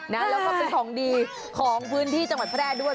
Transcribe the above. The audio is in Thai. แล้วก็เป็นของดีของพื้นที่จังหวัดแพร่ด้วย